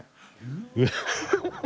うわ。